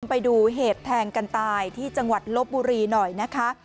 ไปดูเหตุแทงกันตายที่จังหวัดลบบุรีหน่อยนะคะ